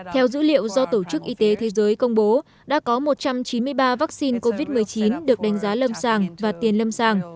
theo dữ liệu do tổ chức y tế thế giới công bố đã có một trăm chín mươi ba vaccine covid một mươi chín được đánh giá lâm sàng và tiền lâm sàng